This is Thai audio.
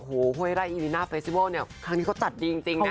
โอ้โหห้วยไร่อีริน่าเฟสติวัลเนี่ยครั้งนี้เขาจัดดีจริงนะคะ